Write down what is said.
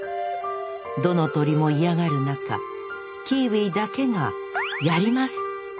どの鳥も嫌がる中キーウィだけが「やります！」と答えました。